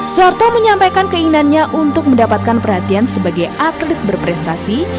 soeharto menyampaikan keinginannya untuk mendapatkan perhatian sebagai atlet berprestasi